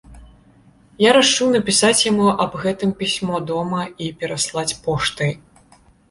Я рашыў напісаць яму аб гэтым пісьмо дома і пераслаць поштай.